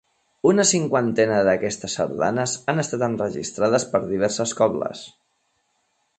Una cinquantena d'aquestes sardanes han estat enregistrades per diverses cobles.